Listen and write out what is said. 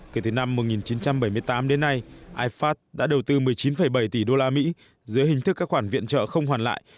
kể từ năm một nghìn chín trăm bảy mươi tám đến nay ifas đã đầu tư một mươi chín bảy tỷ đô la mỹ dưới hình thức các khoản viện trợ không hoàn lại